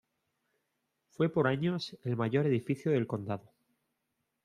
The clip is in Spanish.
Fue por años el mayor edificio del condado.